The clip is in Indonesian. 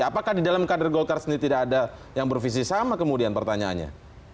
apakah di dalam kader golkar sendiri tidak ada yang bervisi sama kemudian pertanyaannya